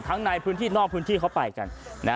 ในพื้นที่นอกพื้นที่เขาไปกัน